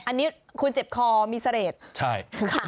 อันนี้คุณเจ็บมีเสระโตใช่